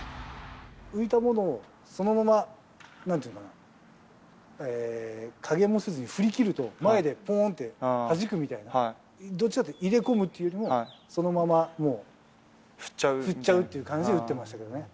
浮いたものをそのままなんて言うのかな、加減もせずに振り切ると、前でぽんってはじくみたいな、どっちかっていうと、入れ込むっていうよりもそのままもう、振っちゃうっていう感じで打ってましたけどね。